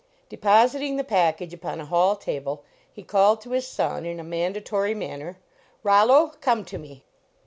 De positing the package upon a hall table, he called to his son in a mandatory manner :" Rollo, come to me."